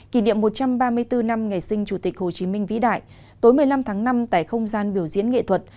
kỷ niệm một trăm ba mươi bốn năm ngày sinh chủ tịch hồ chí minh vĩ đại tối một mươi năm tháng năm tại không gian biểu diễn nghệ thuật